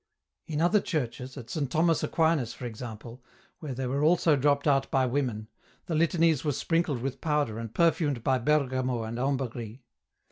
79 In other churches, at St. Thomas Aquinas, for example, where they were also dropped out by women, the litanies were sprinkled with powder and perfumed by bergamot and ambergris.